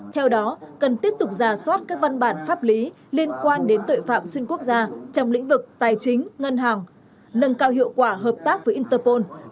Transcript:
theo đó cần tiếp tục giả soát các văn bản pháp lý liên quan đến tội phạm xuyên quốc gia trong lĩnh vực tài chính ngân hàng nâng cao hiệu quả hợp tác với interpol